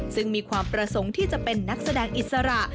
ซึ่งมีความประสงค์ที่จะเป็นนักแสดงอิสระ